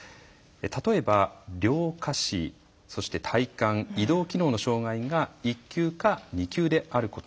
例えば両下肢・体幹移動機能の障害が１級か２級であること。